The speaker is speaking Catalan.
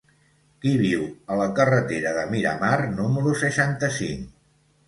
Qui viu a la carretera de Miramar número seixanta-cinc?